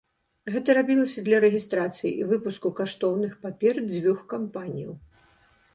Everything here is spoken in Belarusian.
Гэта рабілася для рэгістрацыі і выпуску каштоўных папер дзвюх кампаніяў.